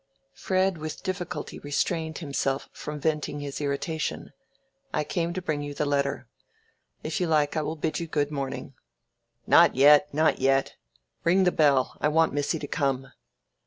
Fred with difficulty restrained himself from venting his irritation. "I came to bring you the letter. If you like I will bid you good morning." "Not yet, not yet. Ring the bell; I want missy to come."